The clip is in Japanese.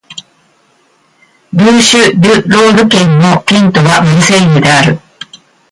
ブーシュ＝デュ＝ローヌ県の県都はマルセイユである